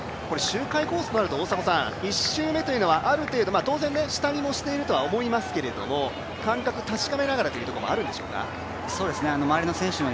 周回コースとなると１周目というのはある程度、下見もしているとは思いますけれども感覚、確かめながらというのもあるんでしょうか？